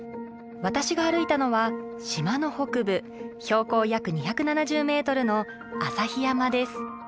私が歩いたのは島の北部標高約２７０メートルの旭山です。